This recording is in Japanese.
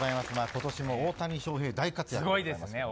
今年も大谷翔平、大活躍。